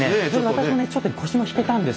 私もねちょっと腰が引けたんですよ。